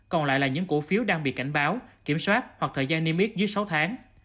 còn lại là những cổ phiếu đang bị cảnh báo kiểm soát hoặc thời gian niêm yết dưới sáu tháng